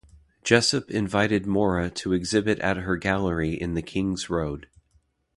Jessop invited Mora to exhibit at her gallery in the Kings Road.